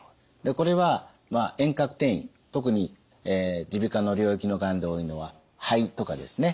これは遠隔転移特に耳鼻科の領域のがんで多いのは肺とかですね。